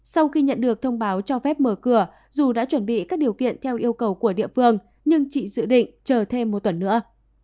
sau khi nhận được thông báo cho phép mở cửa dù đã chuẩn bị các điều kiện theo yêu cầu của địa phương nhưng chị dự định chờ thêm một tuần nữa